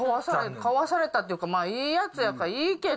買わされたっていうかいいやつだからいいけど。